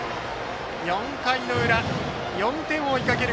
４回の裏、４点を追いかける